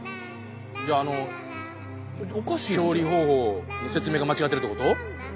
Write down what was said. じゃああの調理方法の説明が間違ってるってこと？